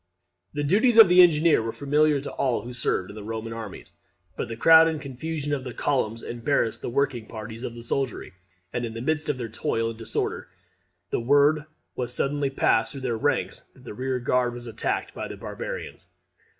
The duties of the engineer were familiar to all who served in the Roman armies. But the crowd and confusion of the columns embarrassed the working parties of the soldiery, and in the midst of their toil and disorder the word was suddenly passed through their ranks that the rear guard was attacked by the barbarians.